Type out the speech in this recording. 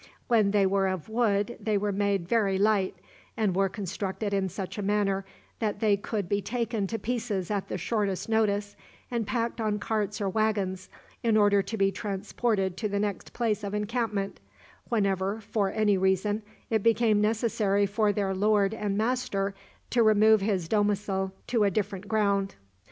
When they were of wood they were made very light, and were constructed in such a manner that they could be taken to pieces at the shortest notice, and packed on carts or wagons, in order to be transported to the next place of encampment, whenever, for any reason, it became necessary for their lord and master to remove his domicil to a different ground.